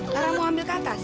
karena mau ambil ke atas